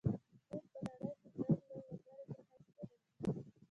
هند په نړۍ کې دویمه لویه وګړې په حیث ګڼل کیږي.